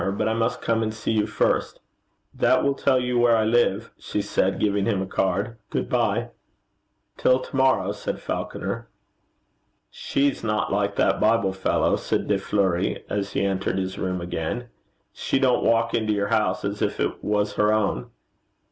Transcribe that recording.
But I must come and see you first.' 'That will tell you where I live,' she said, giving him a card. Good bye.' 'Till to morrow,' said Falconer. 'She's not like that Bible fellow,' said De Fleuri, as he entered his room again. 'She don't walk into your house as if it was her own.'